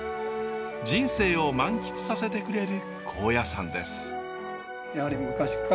人生を満喫させてくれる高野山です。